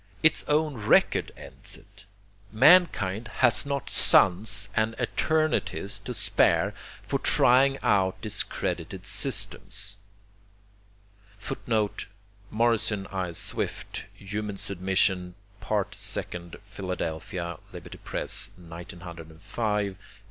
Its own record ends it. Mankind has not sons and eternities to spare for trying out discredited systems...." [Footnote: Morrison I. Swift, Human Submission, Part Second, Philadelphia, Liberty Press, 1905, pp.